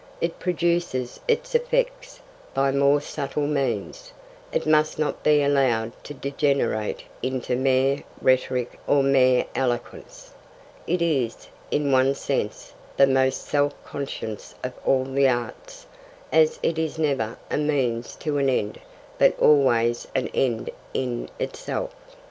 It produces its effects by more subtle means. It must not be allowed to degenerate into mere rhetoric or mere eloquence. It is, in one sense, the most self conscious of all the arts, as it is never a means to an end but always an end in itself.